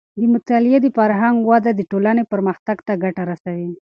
د مطالعې د فرهنګ وده د ټولنې پرمختګ ته ګټه رسوي.